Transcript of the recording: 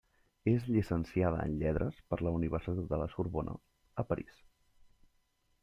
És llicenciada en Lletres per la Universitat de La Sorbona, a París.